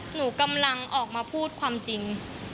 หนูกำลังออกมาพูดความจริง